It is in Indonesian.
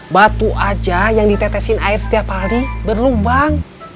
batu aja yang ditetesin air setiap hari berlubang